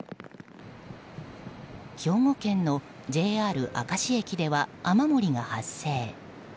兵庫県のＪＲ明石駅では雨漏りが発生。